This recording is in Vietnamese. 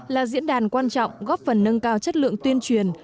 là diễn đàn quan trọng góp phần nâng cao chất lượng tuyên truyền